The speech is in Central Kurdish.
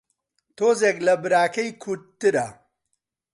تۆزێک لە براکەی کورتترە